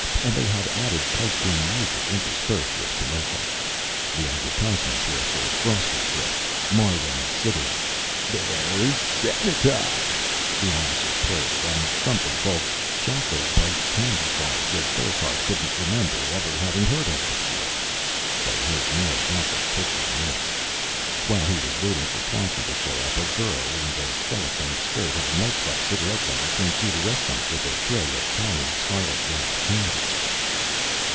And they had added piped in music interspersed with commercials. The advertisements were for Frosty Flip, Marlin Cigarettes "They're sanitized," the announcer purred and something called Choco Bite candy bars that Burckhardt couldn't remember ever having heard of before. But he heard more about them quickly enough. While he was waiting for Swanson to show up, a girl in the cellophane skirt of a nightclub cigarette vendor came through the restaurant with a tray of tiny scarlet wrapped candies.